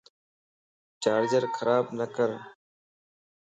چارجر خراب نڪر